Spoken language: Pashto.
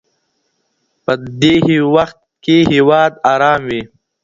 په دې وخت کي هیواد ارام وي.